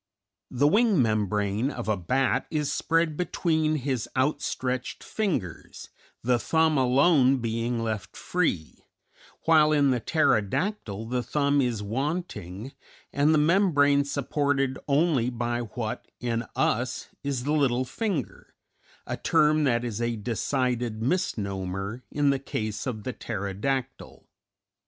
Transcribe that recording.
The wing membrane of a bat is spread between his out stretched fingers, the thumb alone being left free, while in the pterodactyl the thumb is wanting and the membrane supported only by what in us is the little finger, a term that is a decided misnomer in the case of the pterodactyl.